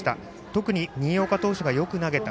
特に新岡投手がよく投げた。